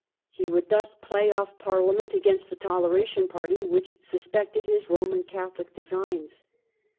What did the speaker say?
He would thus play off policy. 1677. Parliament against the Toleration party, which suspected his Roman Catholic designs.